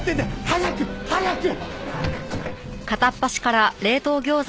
早く！早く！